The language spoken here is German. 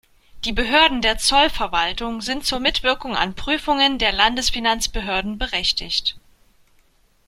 Die Behörden der Zollverwaltung sind zur Mitwirkung an Prüfungen der Landesfinanzbehörden berechtigt.